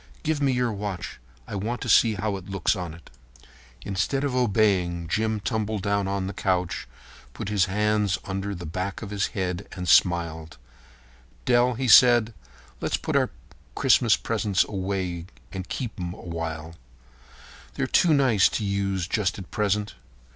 Give me your watch. I want to see how it looks on it." Instead of obeying, Jim tumbled down on the couch and put his hands under the back of his head and smiled. "Dell," said he, "let's put our Christmas presents away and keep 'em a while. They're too nice to use just at present.